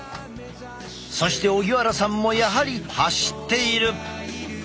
そして荻原さんもやはり走っている。